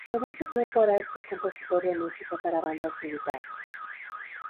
En ese tiempo Arad fue compositor de música para bandas militares.